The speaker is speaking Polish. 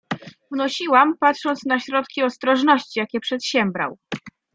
"Wnosiłam patrząc na środki ostrożności, jakie przedsiębrał."